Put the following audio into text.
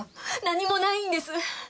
何もないんです！